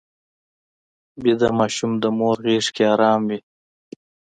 ویده ماشوم د مور غېږ کې ارام وي